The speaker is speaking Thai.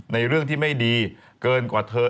เรื่องที่ไม่ดีเกินกว่าเธอ